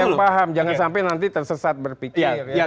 kalau dia paham jangan sampai nanti tersesat berpikir